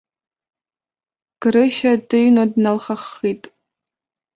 Грышьа дыҩны дналхаххит.